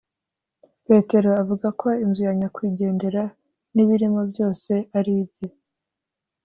petero avuga ko inzu yanyakwigendera n’ibirimo byose ari ibye.